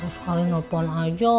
baru sekali nelfon aja